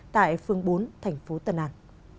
tại phương bốn thành phố tân an